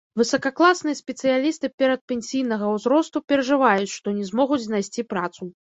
Высакакласныя спецыялісты перадпенсійнага ўзросту перажываюць, што не змогуць знайсці працу.